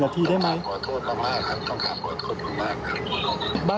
การเปิดอยู่นะครับที่แต่ของลมมีหลักหนึ่งนาทีได้ไหมขอโทษมาก